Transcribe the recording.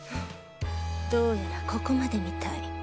どうやらここまでみたい。